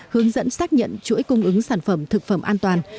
hướng dẫn xác nhận chuỗi cung ứng sản phẩm thực phẩm an toàn